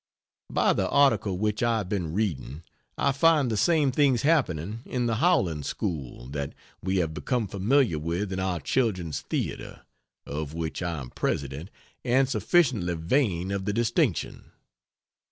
By the article which I have been reading I find the same things happening in the Howland School that we have become familiar with in our Children's Theatre (of which I am President, and sufficiently vain of the distinction.)